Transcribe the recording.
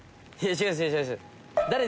違います。